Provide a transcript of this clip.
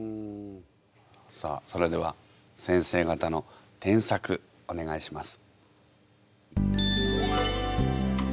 さあそれでは先生方の添削お願いします。